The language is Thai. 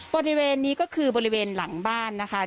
บริเวณนี้ก็คือบริเวณหลังบ้านนะคะ